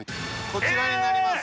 こちらになります。